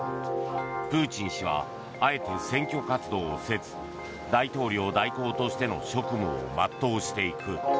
プーチン氏はあえて選挙活動をせず大統領代行としての職務を全うしていく。